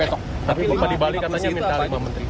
tapi bapak di bali katanya minta lima menteri